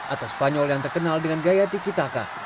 atau spanyol yang terkenal dengan gaya tiki taka